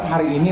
untuk hari ini